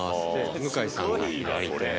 向井さんが左手。